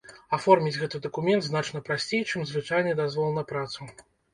Аформіць гэты дакумент значна прасцей, чым звычайны дазвол на працу.